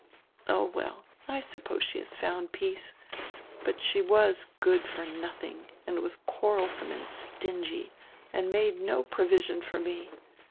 Oh well, I suppose she has found peace. But she was good for nothing and was quarrelsome and stingy and made no pro vision for me.